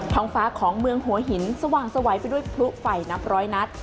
งฟ้าของเมืองหัวหินสว่างสวัยไปด้วยพลุไฟนับร้อยนัด